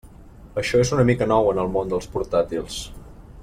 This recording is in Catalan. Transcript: Això és una mica nou en el món dels portàtils.